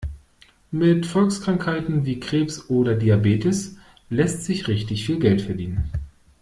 Mit Volkskrankheiten wie Krebs oder Diabetes lässt sich richtig viel Geld verdienen.